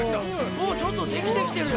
もうちょっとできてきてるよ。